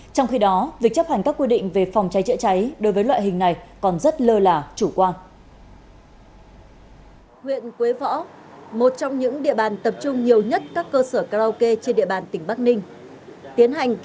trong khi đó việc chấp hành các quy định về phòng cháy chữa cháy đối với loại hình này còn rất lơ là chủ quan